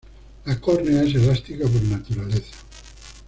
La córnea es elástica por naturaleza.